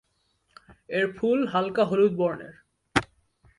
এর ফুল হালকা হলুদ বর্ণের।